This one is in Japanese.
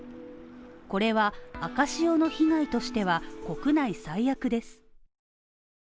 これは赤潮の被害としては、国内最悪です。